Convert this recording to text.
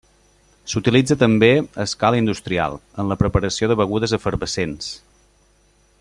S'utilitza també, a escala industrial, en la preparació de begudes efervescents.